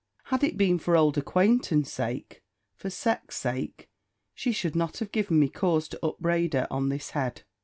Had it been for old acquaintance sake, for sex sake, she should not have given me cause to upbraid her on this head.